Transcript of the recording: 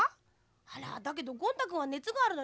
あらだけどゴン太くんはねつがあるのに。